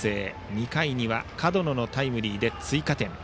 ２回には角野のタイムリーで追加点。